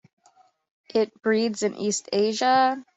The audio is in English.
It breeds in east Asia.